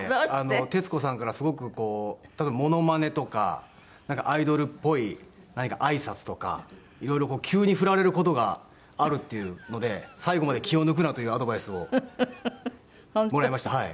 徹子さんからすごくこう例えばモノマネとかアイドルっぽい何かあいさつとかいろいろ急に振られる事があるっていうので「最後まで気を抜くな」というアドバイスをもらいました。